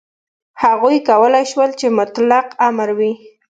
هغوی کولای شول چې مطلق امر وي.